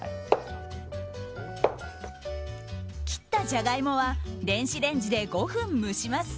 切ったジャガイモは電子レンジで５分蒸します。